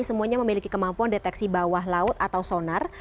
semuanya memiliki kemampuan deteksi bawah laut atau sonar